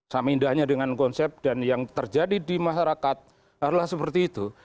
sama indahnya dengan konsep dan yang terjadi di masyarakat adalah seperti itu